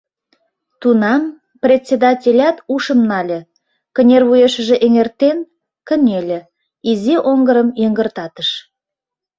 Тунам председателят ушым нале, кынервуешыже эҥертен, кынеле, изи оҥгырым йыҥгыртатыш: